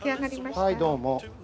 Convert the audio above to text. はいどうも。